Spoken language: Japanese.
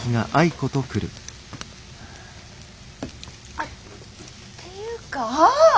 あっっていうかああ！